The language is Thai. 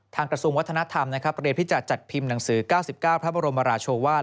กระทรวงวัฒนธรรมนะครับเรียนที่จะจัดพิมพ์หนังสือ๙๙พระบรมราชวาส